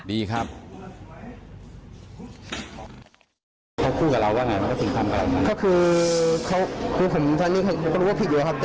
ดีครับ